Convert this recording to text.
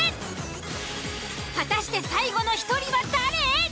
果たして最後の１人は誰？